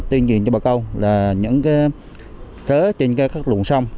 tuyên truyền cho bà con là những cớ trên các lùng sông